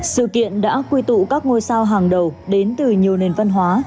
sự kiện đã quy tụ các ngôi sao hàng đầu đến từ nhiều nền văn hóa